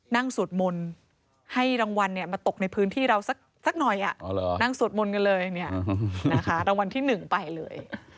สวดมนต์ให้รางวัลมาตกในพื้นที่เราสักหน่อยนั่งสวดมนต์กันเลยเนี่ยนะคะรางวัลที่๑ไปเลย